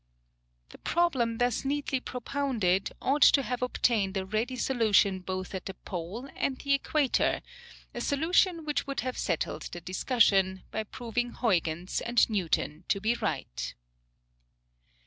The problem thus neatly propounded ought to have obtained a ready solution both at the Pole and the Equator a solution which would have settled the discussion, by proving Huyghens and Newton to be right.